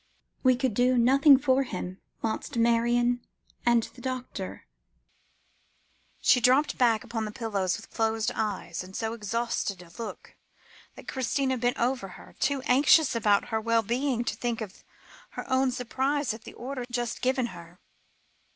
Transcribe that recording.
He may need food we could do nothing for him whilst Marion and the doctor " She dropped back upon the pillow with closed eyes, and so exhausted a look, that Christina bent over her, too anxious about her well being to think of her own surprise at the order just given her.